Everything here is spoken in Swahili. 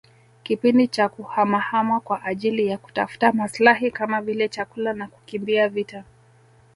kipindi cha kuhamahama kwa ajili ya kutafuta maslahi kama vile chakula na kukimbia vita